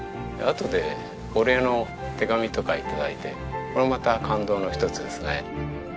あとでお礼の手紙とか頂いてこれもまた感動の一つですね。